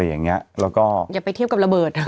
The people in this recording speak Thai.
อย่าไปเทียบกับระเบิด